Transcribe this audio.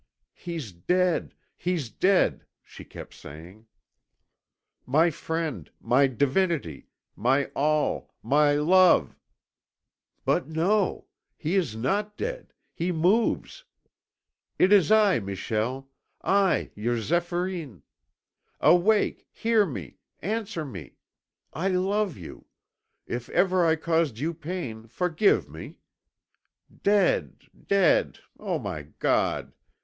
"He's dead, he's dead!" she kept saying. "My friend, my divinity, my all, my love But no! he is not dead, he moves. It is I, Michel; I, your Zéphyrine. Awake, hear me! Answer me; I love you; if ever I caused you pain, forgive me. Dead! dead! O my God!